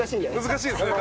難しいですね